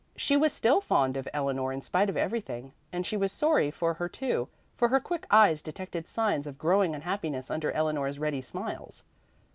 She was still fond of Eleanor in spite of everything, and she was sorry for her too, for her quick eyes detected signs of growing unhappiness under Eleanor's ready smiles.